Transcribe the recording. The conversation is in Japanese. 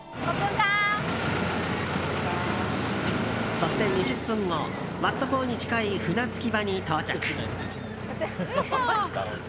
そして２０分後ワット・ポーに近い船着き場に到着。